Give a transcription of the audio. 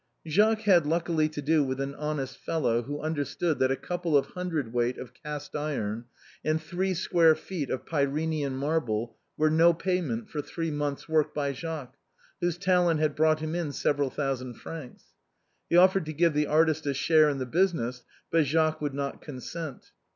Jacques had luckily to do with an honest fellow who understood that a couple of hundredweight of cast iron, and three square feet of Pyrenean marble, were no pay prancine's muff. 243 ment for three months' work by Jacques, whose talent had brought him in several thousand francs. He offered to give the artist a share in his business, but Jacques would not consent.